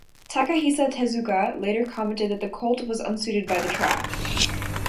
Takahisa Tezuka later commented that the colt was unsuited by the track.